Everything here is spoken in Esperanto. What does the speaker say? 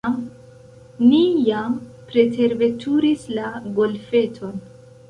Ni jam preterveturis la golfeton.